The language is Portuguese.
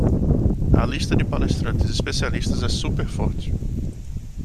A lista de palestrantes especialistas é super forte